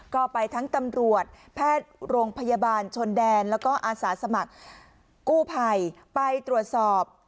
ก็ไปทั้งตำรวจแพทย์โรงพยาบาลชนแดนแล้วก็อาสาสมัครกู้ภัยไปตรวจสอบ